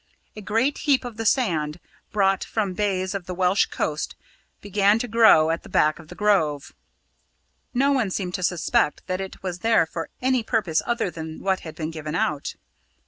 A great heap of the sand, brought from bays on the Welsh coast, began to grow at the back of the Grove. No one seemed to suspect that it was there for any purpose other than what had been given out.